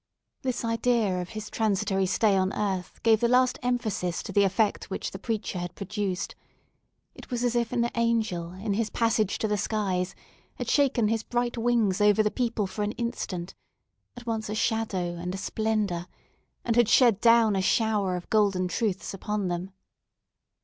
This idea of his transitory stay on earth gave the last emphasis to the effect which the preacher had produced; it was as if an angel, in his passage to the skies, had shaken his bright wings over the people for an instant—at once a shadow and a splendour—and had shed down a shower of golden truths upon them.